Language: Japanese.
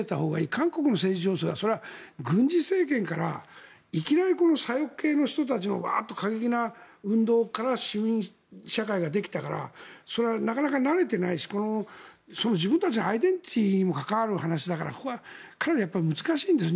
韓国の政治情勢はそれは軍事政権からいきなり左翼系の人たちのワッと過激な運動から市民社会ができたからそれはなかなか慣れていないし自分たちのアイデンティティーにも関わる話だからかなり難しいんです。